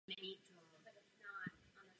Také tyto zločiny stále tutlá.